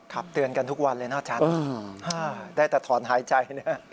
เตือนกันทุกวันเลยนะอาจารย์ได้แต่ถอนหายใจนะ